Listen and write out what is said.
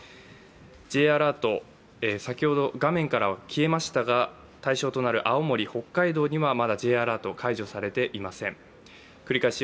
Ｊアラート、先ほど画面からは消えましたが対象となる青森、北海道にはまだＪアラート解除されていません。